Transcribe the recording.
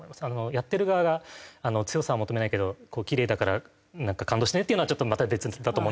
やってる側が強さを求めないけどキレイだから感動してねっていうのはちょっとまた別だと思う。